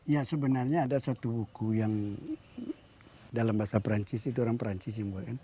ya sebenarnya ada satu buku yang dalam bahasa perancis